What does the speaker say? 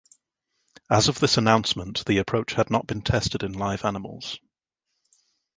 As of this announcement the approach had not been tested in live animals.